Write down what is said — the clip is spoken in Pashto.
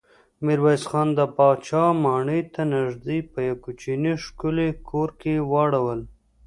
ميرويس خان د پاچا ماڼۍ ته نږدې په يوه کوچيني ښکلي کور کې واړول.